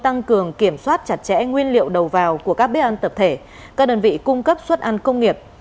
tăng cường kiểm soát chặt chẽ nguyên liệu đầu vào của các bếp ăn tập thể các đơn vị cung cấp suất ăn công nghiệp